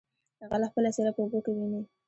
ـ غل خپله څېره په اوبو کې ويني.